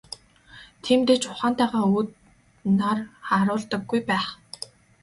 Тиймдээ ч ухаантайгаа өөд нар харуулдаггүй байх.